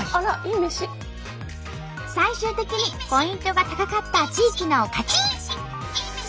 最終的にポイントが高かった地域の勝ち！